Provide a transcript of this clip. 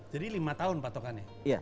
jadi lima tahun patokannya